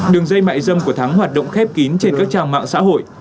đường dây mại dâm của thắng hoạt động khép kín trên các trang mạng xã hội